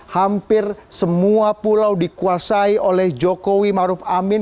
hampir semua pulau dikuasai oleh jokowi maruf amin